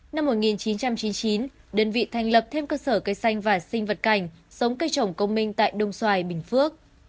năm một nghìn chín trăm chín mươi chín đơn vị thành lập thêm cơ sở cây xanh và sinh vật cảnh sống cây trồng công minh tại đông xoài bình phước